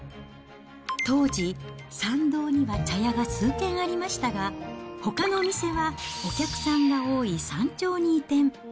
当時、参道には茶屋が数軒ありましたが、ほかのお店はお客さんが多い山頂に移転。